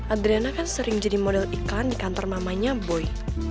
adrena kan sering jadi model iklan di kantor namanya boy